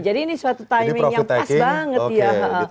jadi ini suatu timing yang pas banget ya